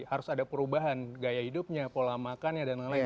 harus ada perubahan gaya hidupnya pola makannya dan lain lain